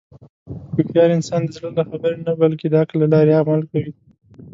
هوښیار انسان د زړه له خبرې نه، بلکې د عقل له لارې عمل کوي.